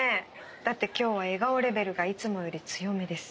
だって今日は笑顔レベルがいつもより強めです。